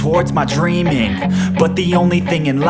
nindy belum meninggal